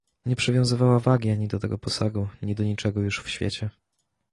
"Nie przywiązywała wagi ani do tego posagu, ni do niczego już w świecie."